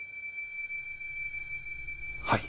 はい。